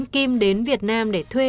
kim đến việt nam để thuê